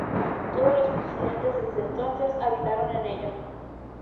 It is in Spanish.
Todos los presidentes desde entonces habitaron en ella.